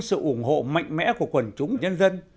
sự ủng hộ mạnh mẽ của quần chúng nhân dân